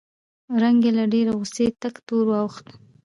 رنګ یې له ډېرې غوسې تک تور واوښت